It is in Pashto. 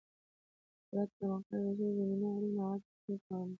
د زراعت پرمختګ د ښې زمینې او اړین موادو په شتون کې ممکن دی.